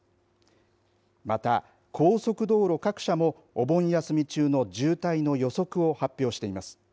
また高速道路各社もお盆休み中の渋滞の予測を発表しています。